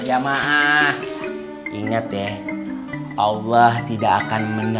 jangan cuci muka doang